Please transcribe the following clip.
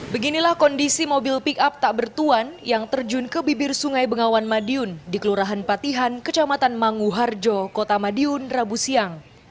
beginilah kondisi mobil pick up tak bertuan yang terjun ke bibir sungai bengawan madiun di kelurahan patihan kecamatan manguharjo kota madiun rabu siang